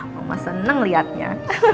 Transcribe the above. mama seneng liatnya